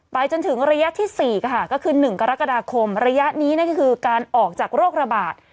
จนถึงระยะที่๔ค่ะก็คือ๑กรกฎาคมระยะนี้นั่นก็คือการออกจากโรคระบาด